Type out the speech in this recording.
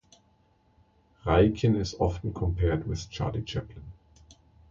Raikin is often compared with Charlie Chaplin.